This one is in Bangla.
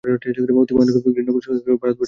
অতি ভয়ানক ঘৃণ্য কুসংস্কারসকল ভারতবর্ষে বর্তমান।